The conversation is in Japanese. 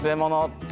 って。